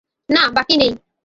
না, বাকী নেই।